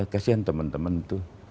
kasian teman teman itu